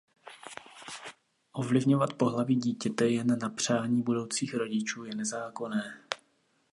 Ovlivňovat pohlaví dítěte jen na přání budoucích rodičů je nezákonné.